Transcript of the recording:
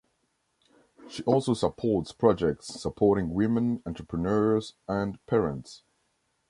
She also supports projects supporting women entrepreneurs, and parents.